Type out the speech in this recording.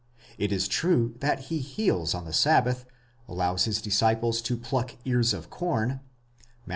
It is true that he heals on the sabbath, allows his disciples to pluck ears of corn (Matt.